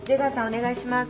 お願いします。